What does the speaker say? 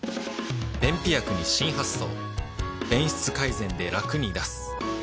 便秘薬に新発想